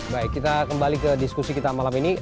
baik kita kembali ke diskusi kita malam ini